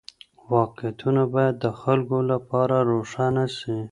واقعيتونه بايد د خلګو لپاره روښانه سي.